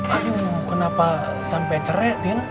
aduh kenapa sampai cerai ting